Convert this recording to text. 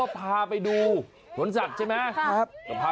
วิทยาลัยศาสตร์อัศวิทยาลัยศาสตร์